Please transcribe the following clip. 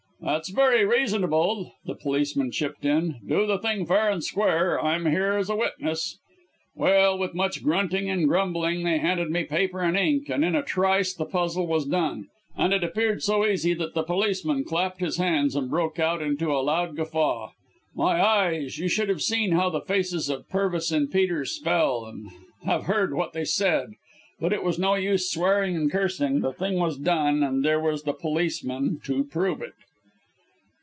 "'That's very reasonable,' the policeman chipped in, 'do the thing fair and square I'm here as a witness.' "Well, with much grunting and grumbling they handed me paper and ink, and in a trice the puzzle was done; and it appeared so easy that the policeman clapped his hands and broke out into a loud guffaw. My eyes! you should have seen how the faces of Pervis and Peters fell, and have heard what they said. But it was no use swearing and cursing, the thing was done, and there was the policeman to prove it.